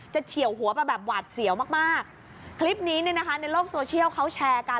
เฉียวหัวไปแบบหวาดเสียวมากมากคลิปนี้เนี่ยนะคะในโลกโซเชียลเขาแชร์กัน